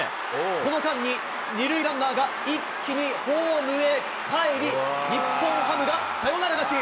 この間に２塁ランナーが一気にホームへかえり、日本ハムがサヨナラ勝ち。